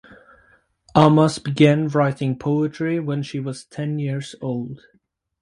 Amas began writing poetry when she was ten years old.